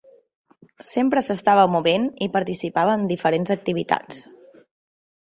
Sempre s'estava movent, i participava en diferents activitats.